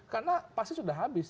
karena pasti sudah habis